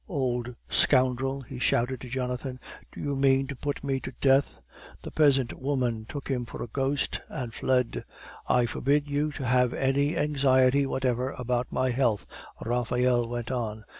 "Old scoundrel!" he shouted to Jonathan; "do you mean to put me to death?" The peasant woman took him for a ghost, and fled. "I forbid you to have any anxiety whatever about my health," Raphael went on.